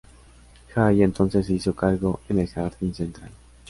Jay entonces se hizo cargo en el jardín central.